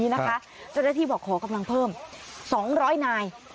นะคะเจ้าหน้าที่บอกขอกำลังเพิ่มสองร้อยนาย